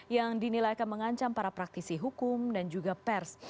yang dinilai akan mengancam para praktisi hukum dan juga pers